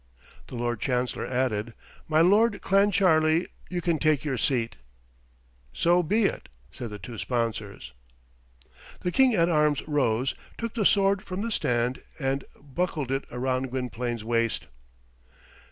The Lord Chancellor added, "My Lord Clancharlie, you can take your seat." "So be it," said the two sponsors. The King at Arms rose, took the sword from the stand, and buckled it round Gwynplaine's waist.